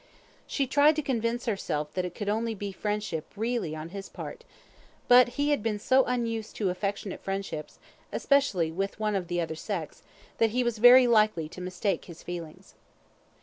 She tried to convince herself that it could be only friendship really on his part; but he had been so unused to affectionate friendships, especially with one of the other sex, that he was very likely to mistake his feelings.